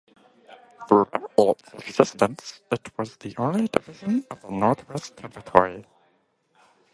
Throughout its existence, it was the only Division in the Northern Territory.